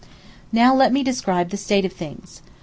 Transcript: Now let me describe the state of things.